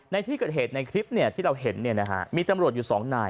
ในที่เกิดเหตุในคลิปเนี้ยที่เราเห็นเนี่ยนะคะมีตำรวจอยู่สองนาย